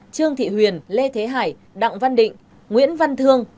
trương thị huyền lê thế hải đặng văn định nguyễn văn thương